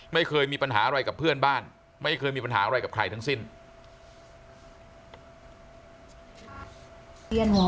ไม่เคยมีปัญหาอะไรกับเพื่อนบ้านไม่เคยมีปัญหาอะไรกับใครทั้งสิ้น